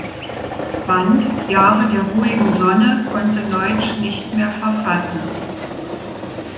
Band "Jahre der ruhigen Sonne" konnte Neutsch nicht mehr verfassen.